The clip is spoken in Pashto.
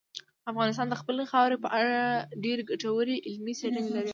افغانستان د خپلې خاورې په اړه ډېرې ګټورې علمي څېړنې لري.